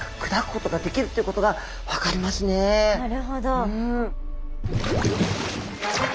なるほど。